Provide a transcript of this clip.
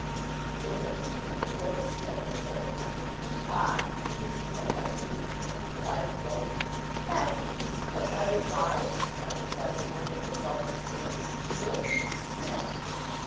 "'There's a P before the Smith,' I said to him. 'Ah, P. Smith, I see,' replied the goat. 'Not Peasmith,' I replied, exercising wonderful self restraint, 'just Psmith.